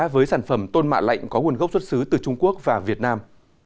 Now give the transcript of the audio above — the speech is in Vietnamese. với sản phẩm tôn mạ lạnh có nguồn gốc xuất xứ từ trung quốc và việt nam